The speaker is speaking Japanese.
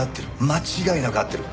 間違いなく会ってる。